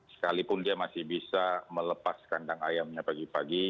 sekalipun dia masih bisa melepas kandang ayamnya pagi pagi